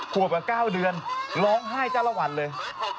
ขวบกับ๙เดือนร้องไห้จ้าละวันเลย